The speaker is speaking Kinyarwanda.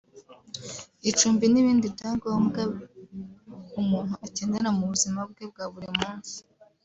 icumbi n’ibindi byangombwa umuntu akenera mu buzima bwe bwa buri munsi